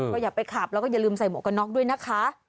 ก็อย่าไปขับแล้วก็อย่าลืมใส่หมวกกันน็อกด้วยนะคะ